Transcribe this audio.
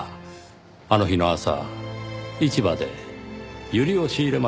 あの日の朝市場でユリを仕入れましたねぇ。